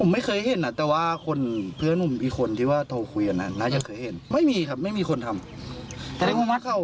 ได้เงินจากตลาดนัดเสียเยอะ